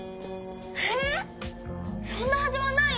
へえっ⁉そんなはずはないよ！